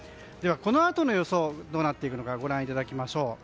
このあとの予想どうなっていくのかご覧いただきましょう。